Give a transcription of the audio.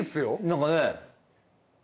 何かね。